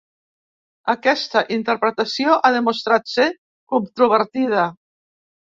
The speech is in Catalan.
Aquesta interpretació ha demostrat ser controvertida.